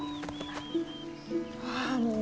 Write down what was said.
ああもう。